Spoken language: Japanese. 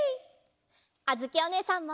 あづきおねえさんも！